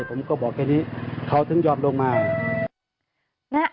ผมก็บอกแค่นี้เขาถึงยอมลงมา